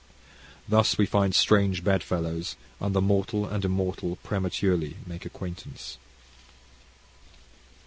Thus we find strange bed fellows, and the mortal and immortal prematurely make acquaintance.